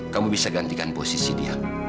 kamu bisa gantikan posisi dia